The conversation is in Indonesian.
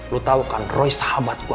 lo tau kan roy sahabat gua